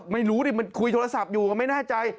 ไม่รู้ดิมันคุยโทรศัพท์อยู่ก็ไม่แน่ใจ